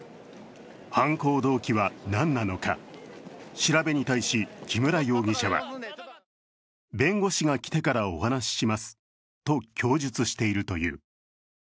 調べに対し、木村容疑者は弁護士が来てからお話ししますと供述しているという。